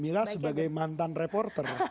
mila sebagai mantan reporter